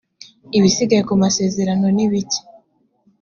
ibisigaye kumasezerano nibike.